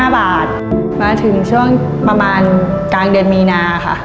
๕บาทมาถึงช่วงประมาณกลางเดือนมีนาค่ะ